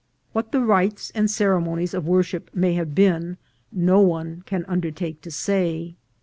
What the rites and ceremonies of worship may have been, no one can undertake to say.